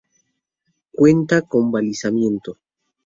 Cuenta con balizamiento.